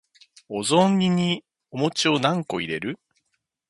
お雑煮にお餅何個入れる？